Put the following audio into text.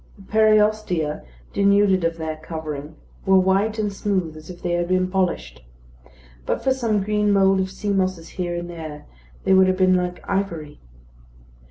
The periostea, denuded of their covering, were white and smooth, as if they had been polished. But for some green mould of sea mosses here and there, they would have been like ivory.